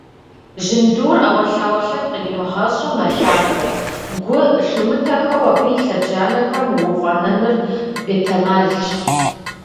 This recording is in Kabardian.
Жьындур, Iэуэлъауэ лъэпкъ иримыгъэщIу, мэлъатэ, гу лъумытэххэу абы и лъэбжьанэхэм уфIэнэныр бетэмалщ.